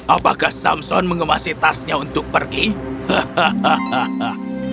apakah samson mengemasi tasnya untuk pergi